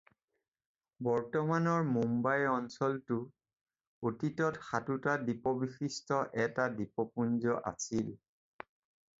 বৰ্তমানৰ মুম্বাই অঞ্চলটো অতীতত সাতোটা দ্বীপবিশিষ্ট এটা দ্বীপপুঞ্জ আছিল।